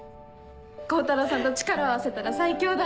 光太郎さんと力を合わせたら最強だ！とか言って。